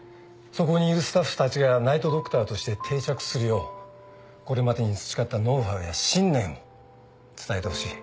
そこにいるスタッフたちがナイト・ドクターとして定着するようこれまでに培ったノウハウや信念を伝えてほしい